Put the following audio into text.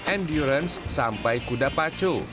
endurance sampai kuda pacu